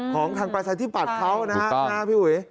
ของทางประชาธิปัตย์เขานะครับพี่อุ๋ย